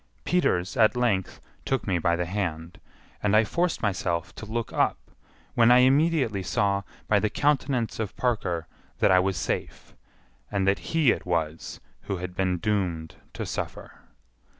Peters at length took me by the hand, and I forced myself to look up, when I immediately saw by the countenance of Parker that I was safe, and that he it was who had been doomed to suffer.